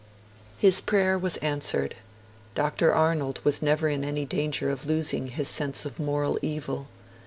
His prayer was answered: Dr. Arnold was never in any danger of losing his sense of moral evil.